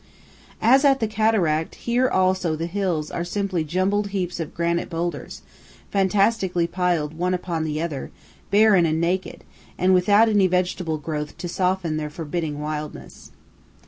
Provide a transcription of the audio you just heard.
As at the cataract, here also the hills are simply jumbled heaps of granite boulders, fantastically piled one upon the other, barren and naked, and without any vegetable growth to soften their forbidding wildness.